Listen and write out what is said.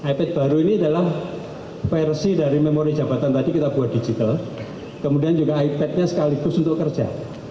ipad baru ini adalah versi dari memori jabatan tadi kita buat digital kemudian juga ipadnya sekaligus untuk kerja